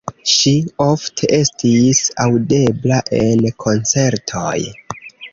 Ŝi ofte estis aŭdebla en koncertoj.